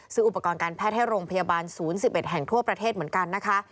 อุปกรณ์การแพทย์ให้โรงพยาบาล๐๑๑แห่งทั่วประเทศเหมือนกันนะคะ